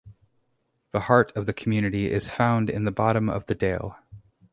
The heart of the community is found in the bottom of the dale.